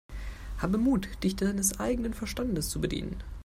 Habe Mut, dich deines eigenen Verstandes zu bedienen!